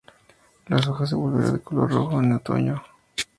Las hojas se volverá de color rojo en el otoño.